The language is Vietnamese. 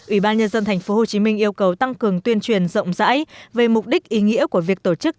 ủy ban nhân dân tp hcm yêu cầu tăng cường tuyên truyền rộng rãi về mục đích ý nghĩa của việc tổ chức